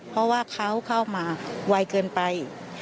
เพราะว่าเขาเข้ามาไวเกินไป